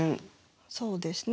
そうですね。